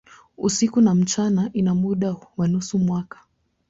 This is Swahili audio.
Usiku na mchana ina muda wa nusu mwaka.